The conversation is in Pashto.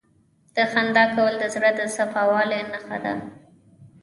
• خندا کول د زړه د صفا والي نښه ده.